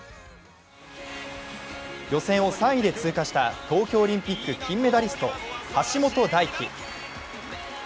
予選を３位で通過した東京オリンピック金メダリスト、橋本大輝。